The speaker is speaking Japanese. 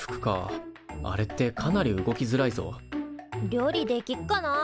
料理できっかな？